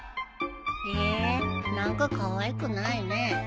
え何かかわいくないねえ。